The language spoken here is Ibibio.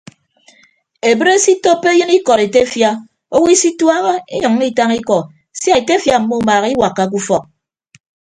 Ebre otoppo eyịn ikọd etefia owo isituaha inyʌññọ itañ ikọ sia etefia mmumaaha iwakkake ufọk.